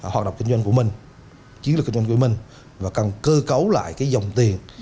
hoạt động kinh doanh của mình chiến lược kinh doanh của mình và cần cơ cấu lại dòng tiền